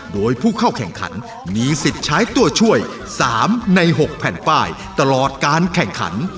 โดยผู้เข้าแข่งขันมีสิทธิ์ใช้ตัวช่วย๓ใน๖แผ่นป้ายตลอดการแข่งขัน